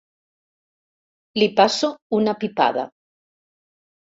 Li passo una pipada.